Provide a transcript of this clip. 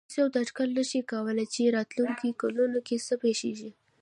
هېڅوک دا اټکل نه شي کولای چې راتلونکو کلونو کې څه پېښېږي.